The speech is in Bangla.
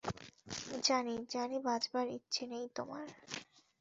জানি, জানি বাঁচবার ইচ্ছে নেই তোমার।